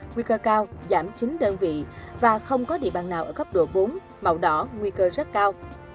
nguy cơ cao giảm chính đơn vị và không có địa bàn nào ở cấp độ bốn màu đỏ nguy cơ rất cao